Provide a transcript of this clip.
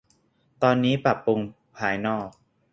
ตอนนี้ปรับปรุงภายนอก